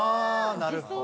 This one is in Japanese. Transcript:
なるほど。